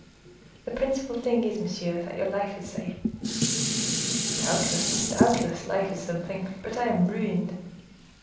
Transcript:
The principal thing is, monsieur, that your life is safe." "Doubtless! doubtless!—life is something—but I am ruined!"